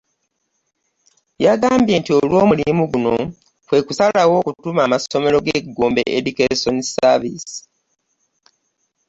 Yagambye nti olw'omulimu guno kwe kusalawo okutuuma amasomero ge ‘Gombe Educational Services'